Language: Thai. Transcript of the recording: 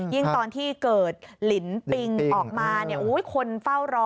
ตอนที่เกิดลินปิงออกมาคนเฝ้ารอ